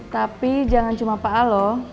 tapi jangan cuma pak al loh